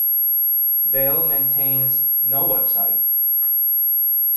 Valle maintains no website.